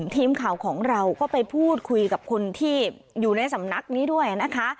ทีมข่าวของเราก็ไปพูดคุยกับคนที่อยู่ในสำนักนี้ด้วยนะคะ